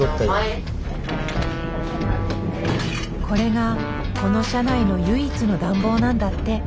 これがこの車内の唯一の暖房なんだって。